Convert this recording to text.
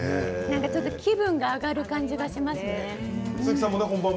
気分が上がる感じしますね。